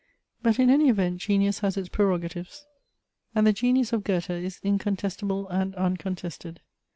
But in any event Genius has its prerogatives, and vi Inteoduction'. the genius of Goethe is incontestable and uncontes ted.